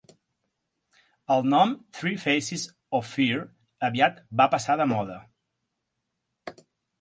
El nom "Three Faces of Fear" aviat va passar de moda.